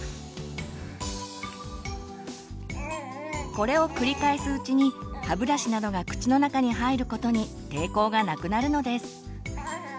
これを繰り返すうちに歯ブラシなどが口の中に入ることに抵抗がなくなるのです。